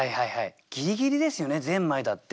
ギリギリですよね「発条」だって。